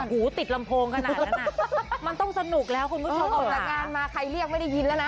หูติดลำโพงขนาดนั้นอ่ะมันต้องสนุกแล้วคุณผู้ชมออกจากงานมาใครเรียกไม่ได้ยินแล้วนะ